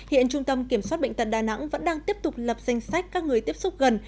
hiện trung tâm kiểm soát bệnh tật đà nẵng vẫn đang tiếp tục lập danh sách các người tiếp xúc gần